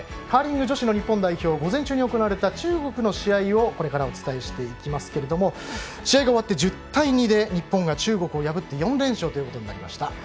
カーリング女子の日本代表午前中に行われた中国の試合をこれからお伝えしていきますが試合が終わって１０対２で日本が中国を破り４連勝となりました。